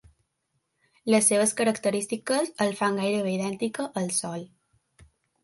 Les seves característiques el fan gairebé idèntica al Sol.